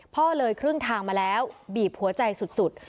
พ่อเลยครึ่งทางมาแล้วบีบหัวใจสุด